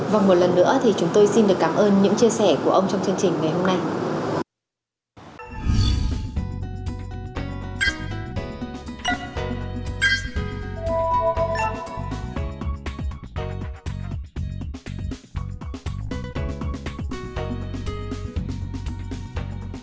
và một lần nữa thì chúng tôi xin được cảm ơn những chia sẻ của ông trong chương trình ngày hôm nay